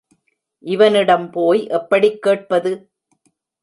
இவனிடம் போய் எப்படிக் கேட்பது?